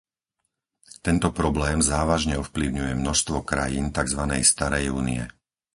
Tento problém závažne ovplyvňuje množstvo krajín takzvanej starej Únie.